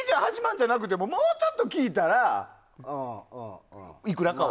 じゃなくてももうちょっと聞いたらいくらかは。